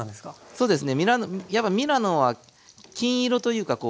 そうですね。